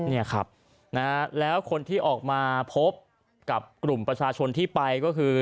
เนี่ยครับนะฮะแล้วคนที่ออกมาพบกับกลุ่มประชาชนที่ไปก็คือ